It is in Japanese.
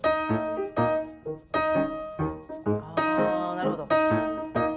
あなるほど。